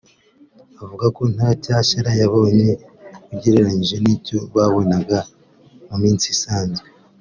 avuga ko nta cyashara yabonye agereranyije n’icyo yabonaga mu minsi isanzwe